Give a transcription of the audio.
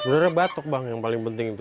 sebenarnya batok bang yang paling penting itu